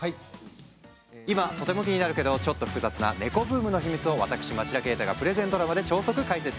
今とても気になるけどちょっと複雑な猫ブームの秘密を私、町田啓太がプレゼンドラマで超速解説。